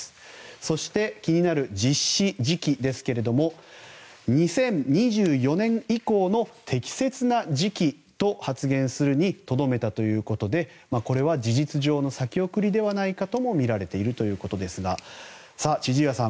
そして、気になる実施時期ですが２０２４年以降の適切な時期と発言するにとどめたということでこれは事実上の先送りではないかともみられているということですが千々岩さん